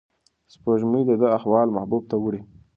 سپوږمۍ د ده احوال محبوب ته وړي.